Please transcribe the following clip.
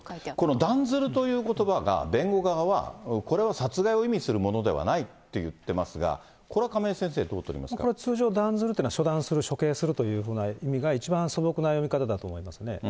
この断ずるということばが、弁護側は、これは殺害を意味するものではないと言ってますが、これは亀井先生、これは通常、断ずるっていうのは処断する、処刑するというような意味が一番素朴な読み方だと思いますね。